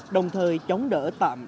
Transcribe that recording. đồng thời chống đỡ tạm